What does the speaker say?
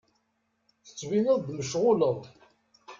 Tettbineḍ-d mecɣuleḍ.